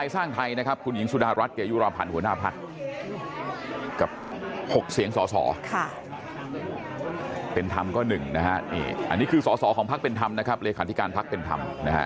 สหรัฐส่อดเสรีรวมไทย๑เสียงส๔